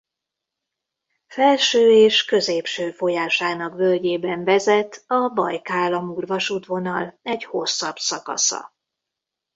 Felső és középső folyásának völgyében vezet a Bajkál–Amur-vasútvonal egy hosszabb szakasza.